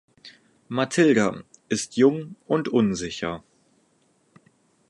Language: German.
Matilda ist jung und unsicher.